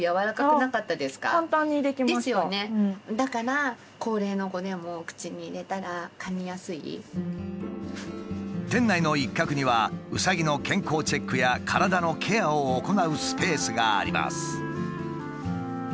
だから店内の一角にはうさぎの健康チェックや体のケアを行うスペースがあります。